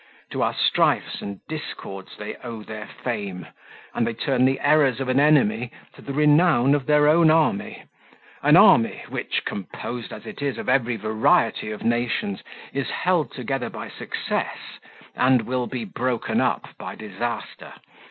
To our strifes and discords they owe their fame, and they turn the errors of an enemy to the renown of their own army, an army which, composed as it is of every variety of nations, is held together by success and will be broken up by disaster.